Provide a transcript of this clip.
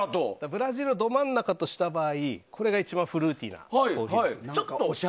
ブラジルをど真ん中とした場合これが一番フルーティーなコーヒー。